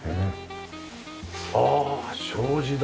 ああ障子だ。